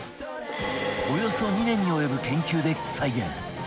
およそ２年に及ぶ研究で再現